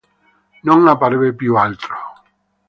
Non apparve più altro.